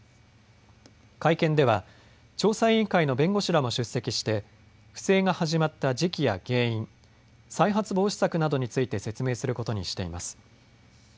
会見では調査委員会の弁護士らも出席して不正が始まった時期や原因、再発防止策などについて説明することにしています。